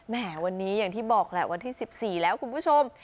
แหมวันนี้อย่างที่บอกแหละวันที่๑๔แล้วคุณผู้ชม